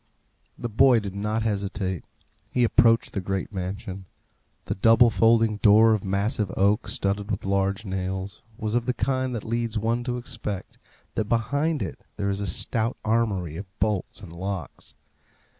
The boy did not hesitate. He approached the great mansion. The double folding door of massive oak, studded with large nails, was of the kind that leads one to expect that behind it there is a stout armoury of bolts and locks.